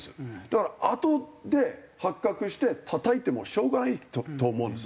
だからあとで発覚してたたいてもしょうがないと思うんです。